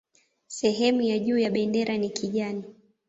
Sehemu ya juu ya bendera ni kijani